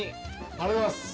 ありがとうございます。